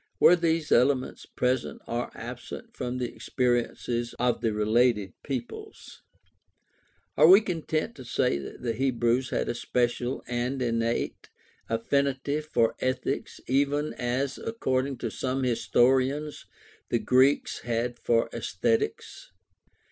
Were these elements present or absent from the experiences of the related peoples ? Are we content to say that the Hebrews had a special and innate affinity for ethics even as, according to some historians, the Greeks had for aesthetics?